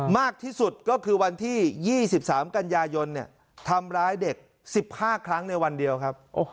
มากที่สุดก็คือวันที่๒๓กันยายนทำร้ายเด็ก๑๕ครั้งในวันเดียวครับ